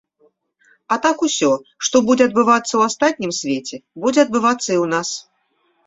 А так усё, што будзе адбывацца ў астатнім свеце, будзе адбывацца і ў нас.